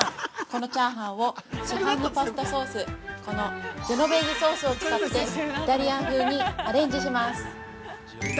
このチャーハンを市販のパスタソース、このジェノベーゼソースを使ってイタリアン風にアレンジします。